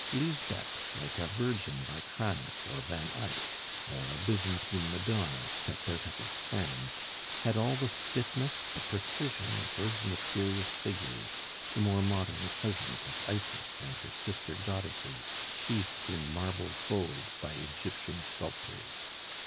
Lisbeth, like a Virgin by Cranach or Van Eyck, or a Byzantine Madonna stepped out of its frame, had all the stiffness, the precision of those mysterious figures, the more modern cousins of Isis and her sister goddesses sheathed in marble folds by Egyptian sculptors.